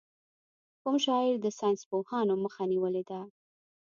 کوم شاعر د ساینسپوهانو مخه نېولې ده.